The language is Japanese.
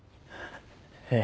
ええ。